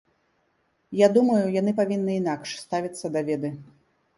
Я думаю, яны павінны інакш ставіцца да веды.